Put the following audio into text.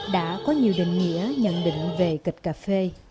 đã có nhiều định nghĩa nhận định về kịch cà phê